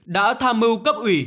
đã tham mưu cấp ủy